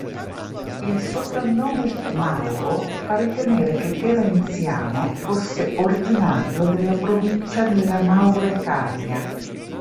Il soprannome Mauro fa ritenere che Terenziano fosse originario della provincia della Mauretania.